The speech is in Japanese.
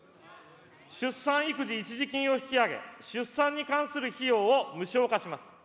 出産育児一時金を引き上げ、出産に関する費用を無償化します。